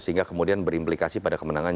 sehingga kemudian berimplikasi pada kemenangan